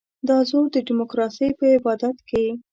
دا زور د ډیموکراسۍ په عبادت کې.